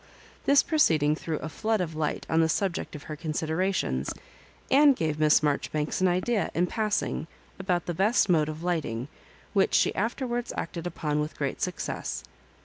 This proceeding threw A flood of light on the subject of her considera tions, and gave Miss Marjoribanks an idea, in passing, about the best mode of lighting, which she afterwards acted upon with great success.